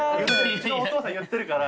うちのお父さん言ってるから。